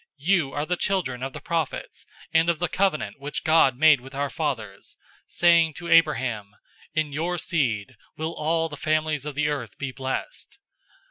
003:025 You are the children of the prophets, and of the covenant which God made with our fathers, saying to Abraham, 'In your seed will all the families of the earth be blessed.'